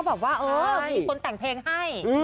บอกว่าเออมีคนแต่งเพลงให้